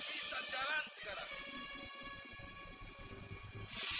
kita jalan sekarang